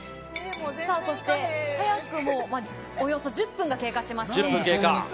そして、早くもおよそ１０分が経過しました。